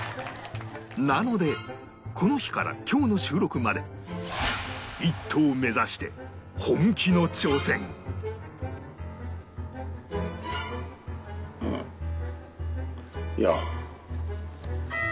なのでこの日から今日の収録まで１等目指してうん。いや。